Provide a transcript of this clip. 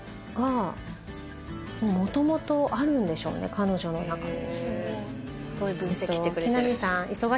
彼女の中に。